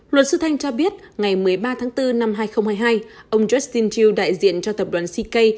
luật sư thanh cho biết ngày một mươi ba tháng bốn năm hai nghìn hai mươi hai ông justin tru đại diện cho tập đoàn sik